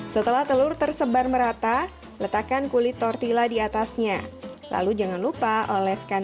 setelah telur tersebar merata letakkan kulit tortilla diatasnya lalu jangan lupa oleskan